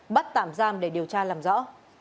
bắt tạm giam để điều tra làm rõ